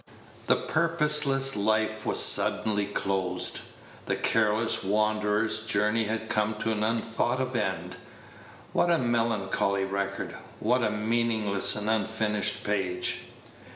The purposeless life was suddenly closed. The careless wanderer's journey had come to an unthought of end. What a melancholy record, what a meaningless and unfinished page?